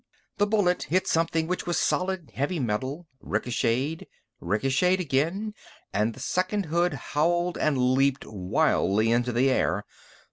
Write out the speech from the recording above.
The bullet hit something which was solid heavy metal, ricocheted, ricocheted again and the second hood howled and leaped wildly into the air.